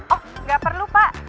oh gak perlu pak